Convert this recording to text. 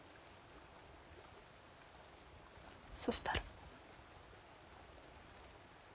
そしたら。